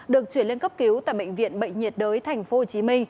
được chuyển lên cấp cứu tại bệnh viện bệnh nhiệt đới tp hcm